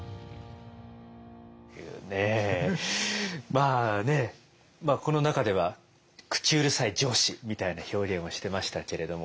というねまあねこの中では口うるさい上司みたいな表現をしてましたけれども。